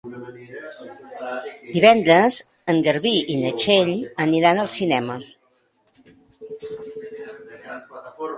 Divendres en Garbí i na Txell iran al cinema.